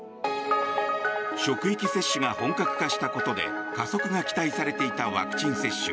職域接種が本格化したことで加速が期待されていたワクチン接種。